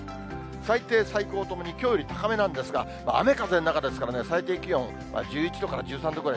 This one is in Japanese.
最低、最高ともに、きょうより高めなんですが、雨風の中ですからね、最低気温、１１度から１３度ぐらい。